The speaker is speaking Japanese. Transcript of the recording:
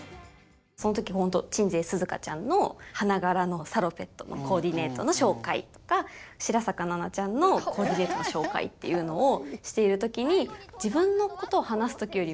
その時ほんと鎮西寿々歌ちゃんの花柄のサロペットのコーディネートの紹介とか白坂奈々ちゃんのコーディネートの紹介っていうのをしている時にこれなんすよね